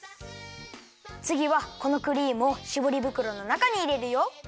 つぎはこのクリームをしぼりぶくろのなかにいれるよ。